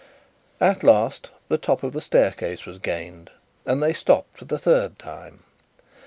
At last, the top of the staircase was gained, and they stopped for the third time.